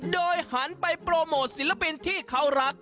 โดยหันไปโปรโมทศิลปินที่เขารัก